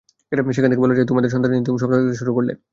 সেখান থেকে বলা যায় তোমার সন্তানদের নিয়ে তুমি স্বপ্ন দেখতে শুরু করলে।